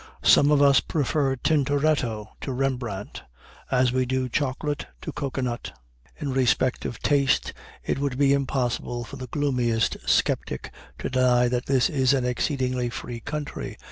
Some of us prefer Tintoretto to Rembrandt, as we do chocolate to cocoanut. In respect of taste it would be impossible for the gloomiest skeptic to deny that this is an exceedingly free country.